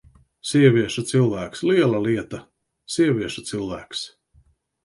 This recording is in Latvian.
Sievieša cilvēks! Liela lieta: sievieša cilvēks!